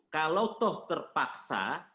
kalau toh terpaksa